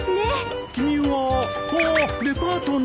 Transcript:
君はああっデパートの。